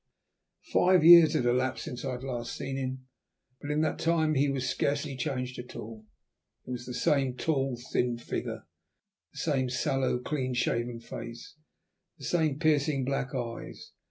Five years had elapsed since I had last seen him, but in that time he was scarcely changed at all. It was the same tall, thin figure; the same sallow, clean shaven face; the same piercing black eyes.